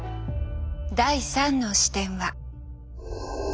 第３の視点は。